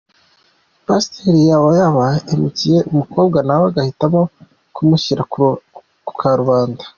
Pasiteri yaba yaba hemukiye umukobwa nawe agahitamo kumushyira ku karubanda